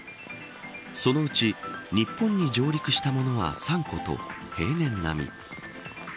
そのうち日本に上陸したものは３個と平年並み。